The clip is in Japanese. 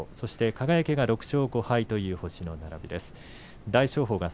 輝は６勝５敗という星の並びです。